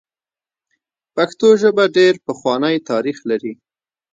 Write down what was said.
پښتو ژبه ډېر پخوانی تاریخ لري.